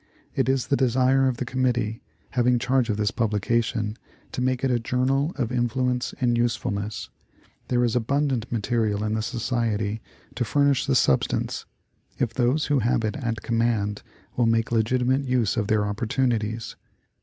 It is the desire of the Committee having charge of this publication to make it a journal of influence and usefulness. There is abundant material in the Society to furnish the substance, if those who have it at command will make legitimate use of their opportunities.